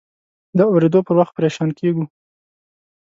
د اورېدو پر وخت پریشان کېږو.